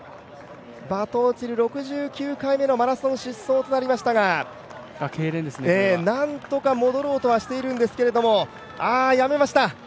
バトオチル６９回目のマラソン疾走となりましたがなんとか戻ろうとはしているんですけれどもああ、やめました。